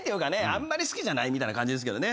あんまり好きじゃないみたいな感じです。